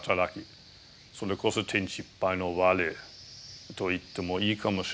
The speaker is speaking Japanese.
それこそ「天地いっぱいの我」と言ってもいいかもしれない。